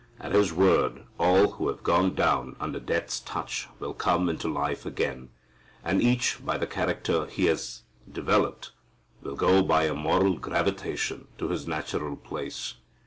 At His word all who have gone down under death's touch will come into life again, and each by the character he has developed will go by a moral gravitation to his natural place.